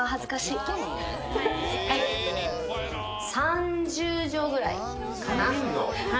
３０帖ぐらいかな？